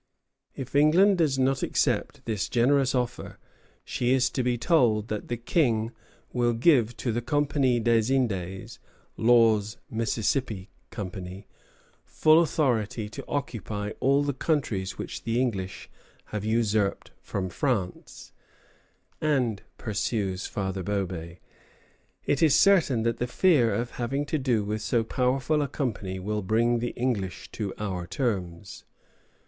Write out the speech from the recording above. If England does not accept this generous offer, she is to be told that the King will give to the Compagnie des Indes (Law's Mississippi Company) full authority to occupy "all the countries which the English have usurped from France;" and, pursues Father Bobé, "it is certain that the fear of having to do with so powerful a company will bring the English to our terms."